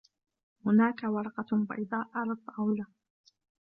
هناك ورقة بيضاء على الطاولة.